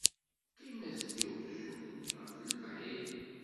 Qqim-as-d i uqjun-nni ɣef lebɛid.